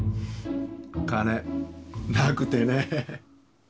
金なくてねえ